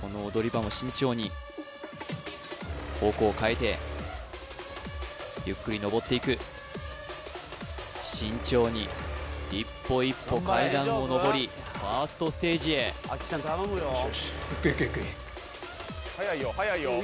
この踊り場も慎重に方向を変えてゆっくり上っていく慎重に一歩一歩階段を上りファーストステージへよしよしＯＫＯＫＯＫ